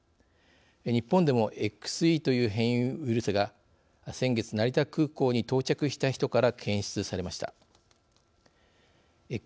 日本でもＸＥという変異ウイルスが先月成田空港に到着した人から検出されました。